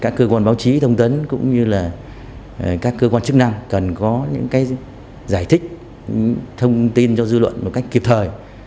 các cơ quan báo chí thông tấn cũng như là các cơ quan chức năng cần có những giải thích thông tin cho dư luận một cách kịp thời